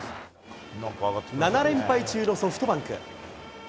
７連敗中のソフトバンク。